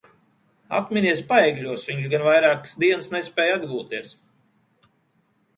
Atminies Paegļos, viņš gan vairākas dienas nespēj atgūties.